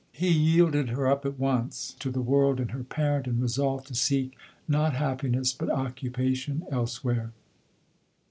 He yielded her up at once to the world and her parent, and resolved to seek, not happiness, but occupation elsewhere.